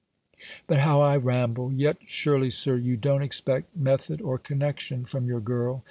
But how I ramble! Yet surely, Sir, you don't expect method or connection from your girl.